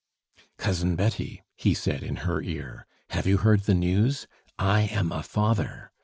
"Cousin Betty," he said in her ear, "have you heard the news? I am a father!